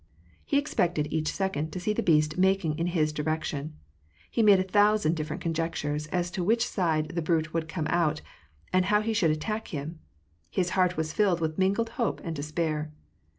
He expected each second to see the beast making in his direction. He made a thousand different conjectures as to which side the brute would come out, and how he should attack him. His heart was filled with mingled hope and despair.